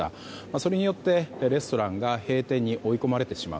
それによってレストランが閉店に追い込まれてしまう。